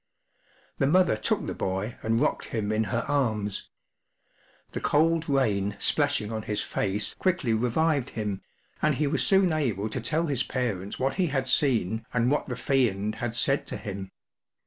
The mother took the boy and rocked him in her arms. The cold rain splashing on his face quickly revived him, and he was soon able to tell his parents what he had seen and what the Fiend had said to him.